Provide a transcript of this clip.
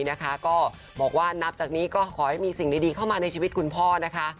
นะคะก็บอกว่านับจากนี้ก็ขอให้มีสิ่งดีเข้ามาในชีวิตคุณพ่อนะคะ